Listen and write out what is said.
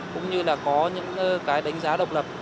cũng như là có những cái đánh giá độc lập